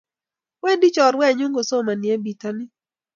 Wendi chorwenyun kosomani en pitanin